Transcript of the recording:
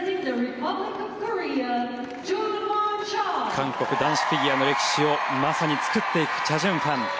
韓国男子フィギュアの歴史をまさに作っていくチャ・ジュンファン。